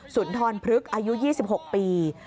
สุนทรพฤกษ์อายุ๒๖ปี